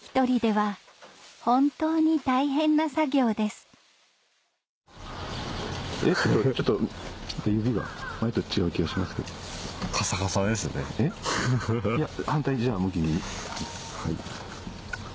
はい。